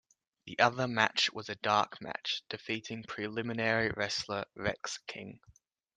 The other match was a dark match, defeating preliminary wrestler, Rex King.